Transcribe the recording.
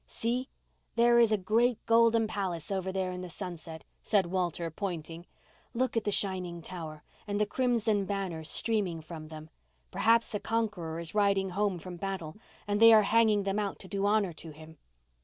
"See—there is a great golden palace over there in the sunset," said Walter, pointing. "Look at the shining tower—and the crimson banners streaming from them. Perhaps a conqueror is riding home from battle—and they are hanging them out to do honour to him."